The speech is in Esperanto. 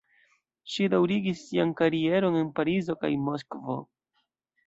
Ŝi daŭrigis sian karieron en Parizo kaj Moskvo.